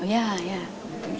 punya karya cunyati